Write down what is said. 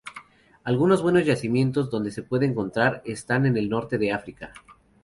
Algunos buenos yacimientos donde se puede encontrar están en el norte de África.